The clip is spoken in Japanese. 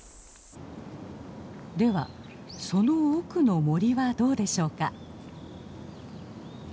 ではその奥の森はどうでしょうか。